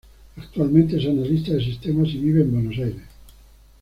Actualmente es analista de sistemas y vive en Buenos Aires.